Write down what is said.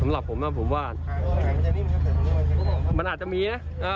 สำหรับผมผมว่ามันอาจจะมีนะ